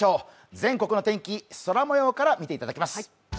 全国の天気、空もようから見ていきます。